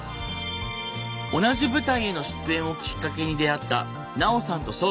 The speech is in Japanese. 同じ舞台への出演をきっかけに出会ったナオさんとショウさん。